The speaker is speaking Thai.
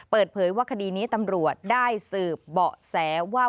เปิดเผยว่าคดีนี้ตำรวจได้สืบเบาะแสว่า